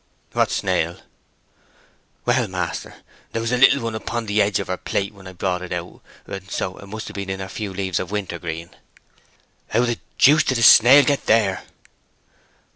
"What snail?" "Well, maister, there was a little one upon the edge of her plate when I brought it out; and so it must have been in her few leaves of wintergreen." "How the deuce did a snail get there?"